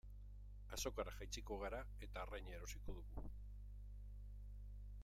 Azokara jaitsiko gara eta arraina erosiko dugu.